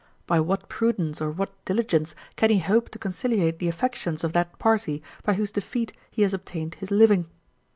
By what prudence or what diligence can he hope to conciliate the affections of that party by whose defeat he has obtained his living?